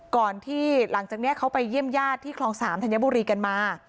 ก่อนที่หลังจากนี้เขาไปเยี่ยมญาติที่คลอง๓ธัญบุรีกันมา